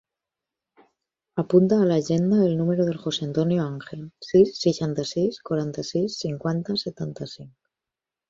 Apunta a l'agenda el número del José antonio Anghel: sis, seixanta-sis, quaranta-sis, cinquanta, setanta-cinc.